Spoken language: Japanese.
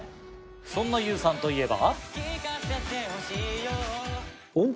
そんなユウさんといえば。